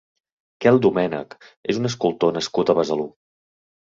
Kel Domènech és un escultor nascut a Besalú.